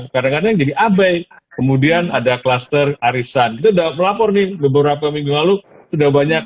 kadang kadang jadi abai kemudian ada kluster arisan itu udah melapor nih beberapa minggu lalu sudah banyak